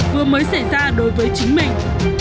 vừa mới xảy ra đối với chính mình